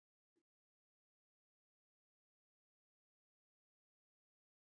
大多常规职业士兵属于阿萨德家族所属的阿拉维派。